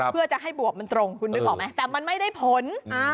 เพื่อจะให้บวบตรงคุณรู้หรือเปล่าไหมแต่มันไม่ได้ผล